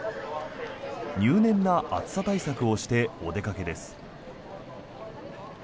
入念な暑さ対策をしてお出かけです。